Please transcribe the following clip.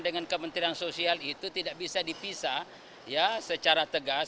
dengan kementerian sosial itu tidak bisa dipisah secara tegas